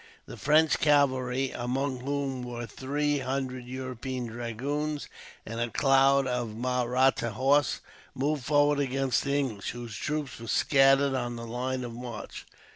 The French cavalry, among whom were three hundred European dragoons, and a cloud of Mahratta horse moved forward against the English, whose troops were scattered on the line of march.